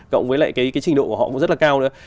cộng với lại cái trình độ của họ cũng rất là cao nữa